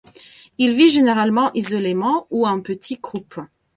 Il vit généralement isolément ou en petits groupes.